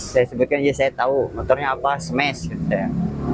saya sebutkan aja saya tahu motornya apa smash gitu ya